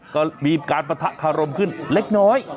ก็มีการปะทะคารมขึ้นเล็กน้อย